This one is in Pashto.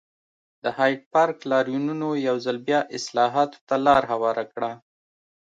د هایډپارک لاریونونو یو ځل بیا اصلاحاتو ته لار هواره کړه.